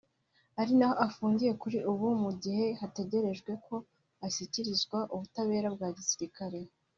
ari naho afungiye kuri ubu mu gihe hategerejwe ko ashyikirizwa ubutabera bwa gisirikare